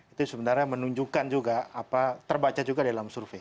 itu sebenarnya menunjukkan juga apa terbaca juga dalam survei